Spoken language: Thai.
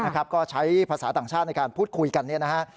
ก็ใช้ภาษาต่างชาติในการพูดคุยกันเนี่ยนะฮะ